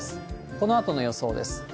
このあとの予想です。